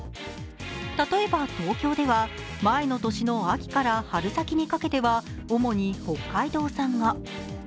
例えば東京では前の年の秋から春先にかけては主に北海道産が。